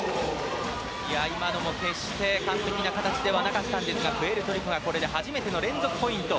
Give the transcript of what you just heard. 今のも決して完璧な形ではなかったんですがプエルトリコがこれで初めての連続ポイント。